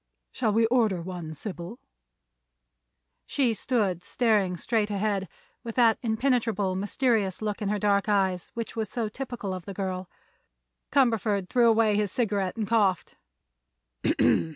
"Shall we order one, Sybil?" She stood staring straight ahead, with that impenetrable, mysterious look in her dark eyes which was so typical of the girl. Cumberford threw away his cigarette and coughed.